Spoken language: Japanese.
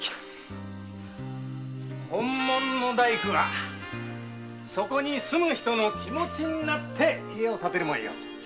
ホンモノの大工はそこに住む人の気持になって家を建てるもんよ。